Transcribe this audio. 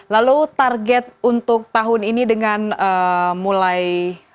lalu target untuk tahun ini dengan mulai di indonesia